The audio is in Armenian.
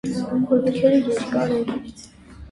Ոտքերը երար են։